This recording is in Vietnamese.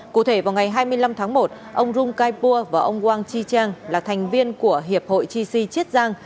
cụ thể vào ngày hai mươi năm tháng một ông rung kaipua và ông wang chi chang là thành viên của hiệp hội chi si chiết giang